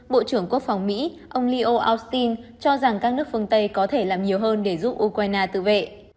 bộ trưởng quốc phòng mỹ ông leeo austin cho rằng các nước phương tây có thể làm nhiều hơn để giúp ukraine tự vệ